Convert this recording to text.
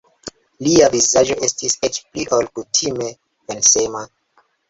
Lia vizaĝo estis eĉ pli ol kutime pensema.